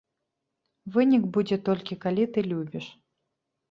Вынік будзе толькі калі ты любіш.